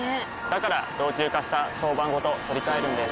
から老朽化した床版ごと取り替えるんです。